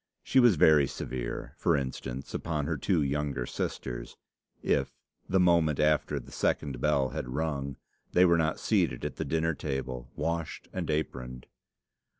She was very severe, for instance, upon her two younger sisters if, the moment after the second bell had rung, they were not seated at the dinner table, washed and aproned.